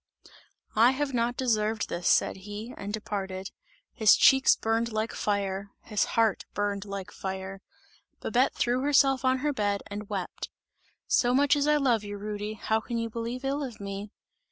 "I have not deserved this!" said he, and departed. His cheeks burned like fire, his heart burned like fire. Babette threw herself on her bed and wept. "So much as I love you, Rudy, how can you believe ill of me!"